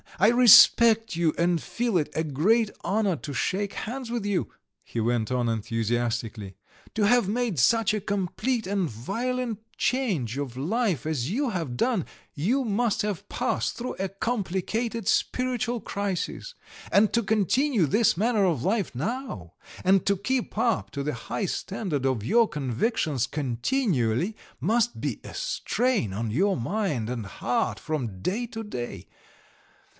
I respect you, and feel it a great honour to shake hands with you!" he went on enthusiastically. "To have made such a complete and violent change of life as you have done, you must have passed through a complicated spiritual crisis, and to continue this manner of life now, and to keep up to the high standard of your convictions continually, must be a strain on your mind and heart from day to day.